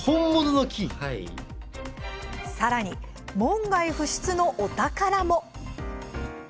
さらに、門外不出のお宝も。